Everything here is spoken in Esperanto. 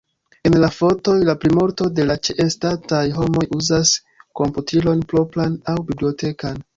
En la fotoj, la plimulto de la ĉeestantaj homoj uzas komputilon propran aŭ bibliotekan.